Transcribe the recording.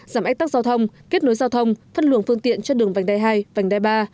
giảm ách tắc giao thông kết nối giao thông phân luồng phương tiện cho đường vành đai hai vành đai ba